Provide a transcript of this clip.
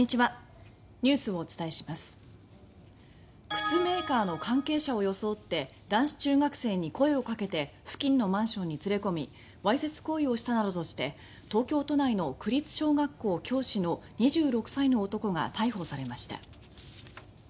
靴メーカーの関係者を装って男子中学生に声をかけて付近のマンションに連れ込みわいせつ行為をしたなどとして東京都内の区立小学校教師の２６歳の男が逮捕されました。